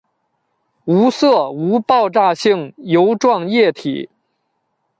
无色无爆炸性油状液体。